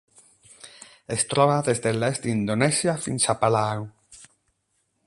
Es troba des de l'est d'Indonèsia fins a Palau.